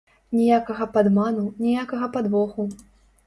Ніякага падману, ніякага падвоху.